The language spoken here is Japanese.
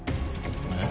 えっ？